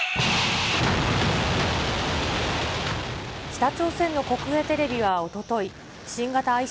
北朝鮮の国営テレビはおととい、新型ＩＣＢＭ